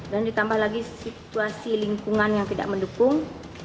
dan ditambah lagi situasi lingkungan yang tidak mendukung